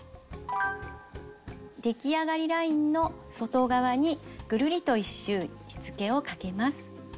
できあがりラインの外側にぐるりと１周しつけをかけます。